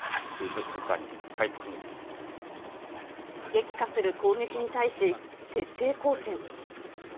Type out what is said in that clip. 激化する攻撃に対し、徹底抗戦。